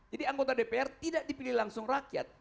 anggota dpr tidak dipilih langsung rakyat